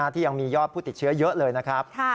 ที่ยังมียอดผู้ติดเชื้อเยอะเลยนะครับ